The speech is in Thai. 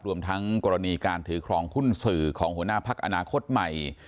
รวมทั้งกรณีการถือครองหุ้นสื่อของหัวหน้าพักอนาคตใหม่